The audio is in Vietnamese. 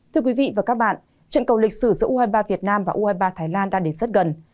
thưa quý vị và các bạn trận cầu lịch sử giữa u hai mươi ba việt nam và u hai mươi ba thái lan đang đến rất gần